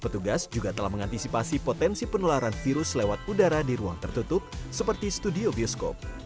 petugas juga telah mengantisipasi potensi penularan virus lewat udara di ruang tertutup seperti studio bioskop